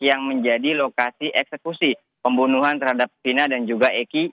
yang menjadi lokasi eksekusi pembunuhan terhadap vina dan juga eki